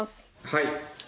「はい。